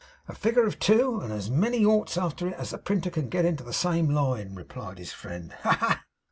'A figure of two, and as many oughts after it as the printer can get into the same line,' replied his friend. 'Ha, ha!